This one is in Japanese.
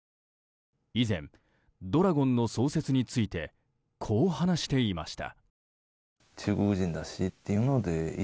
以前、怒羅権の創設についてこう話していました。